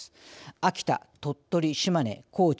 秋田鳥取島根高知